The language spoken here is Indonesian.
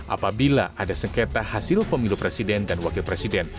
apabila ada sengketa hasil pemilu presiden dan wakil presiden